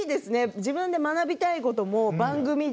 自分で学びたいことも、番組で。